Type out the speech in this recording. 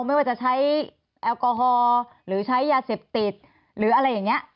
ไม่ว่าจะใช้แอลกอฮอล์หรือใช้ยาเสพติดหรืออะไรอย่างนี้